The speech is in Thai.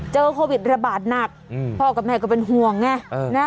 โควิดระบาดหนักพ่อกับแม่ก็เป็นห่วงไงนะ